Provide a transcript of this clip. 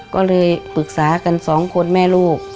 ก็เลยปรึกษากันสองคนแม่ลูก